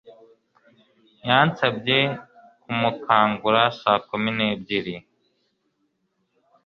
Yansabye kumukangura saa kumi n'ebyiri.